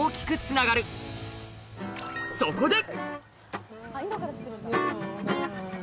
そこで！